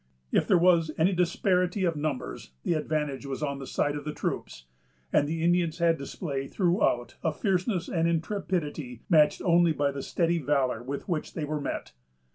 If there was any disparity of numbers, the advantage was on the side of the troops; and the Indians had displayed throughout a fierceness and intrepidity matched only by the steady valor with which they were met.